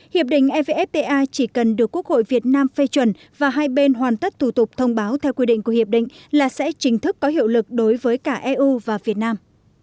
hiệp định evfta chỉ cần được quốc hội việt nam phê chuẩn và hai bên hoàn tất thủ tục thông báo theo quy định của hiệp định là sẽ chính thức có hiệu lực đối với cả eu và việt nam